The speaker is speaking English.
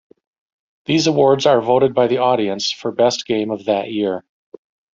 These awards are voted by the audience for best game of that year.